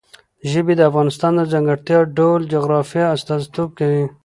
ژبې د افغانستان د ځانګړي ډول جغرافیه استازیتوب کوي.